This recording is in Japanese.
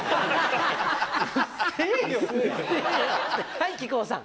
はい木久扇さん。